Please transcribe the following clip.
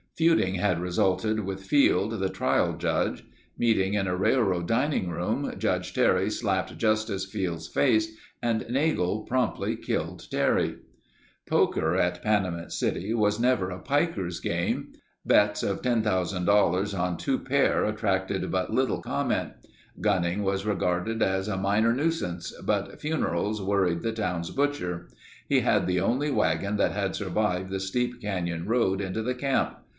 Feuding had resulted with Field, the trial judge. Meeting in a railroad dining room, Judge Terry slapped Justice Field's face and Nagle promptly killed Terry. Poker at Panamint City was never a piker's game. Bets of $10,000 on two pair attracted but little comment. Gunning was regarded as a minor nuisance, but funerals worried the town's butcher. He had the only wagon that had survived the steep canyon road into the camp.